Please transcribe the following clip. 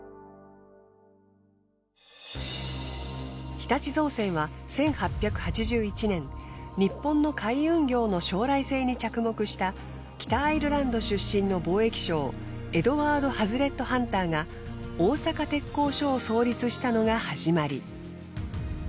日立造船は１８８１年日本の海運業の将来性に着目した北アイルランド出身の貿易商エドワード・ハズレット・ハンターが大阪鉄工所を創立したのが始まり。